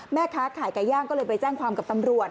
แม่ค้าขายไก่ย่างก็เลยไปแจ้งความกับตำรวจ